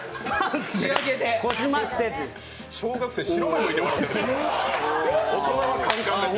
小学生、白目むいて笑ってる。